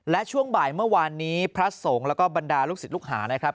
และช่วงบ่ายเมื่อวานนี้พระสงฆ์แล้วก็บรรดาลูกศิษย์ลูกหานะครับ